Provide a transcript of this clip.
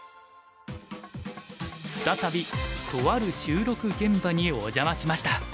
再びとある収録現場にお邪魔しました。